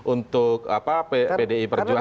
untuk pdi perjuangan